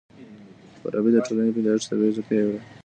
فارابي د ټولني پيدايښت طبيعي اړتيا بولي.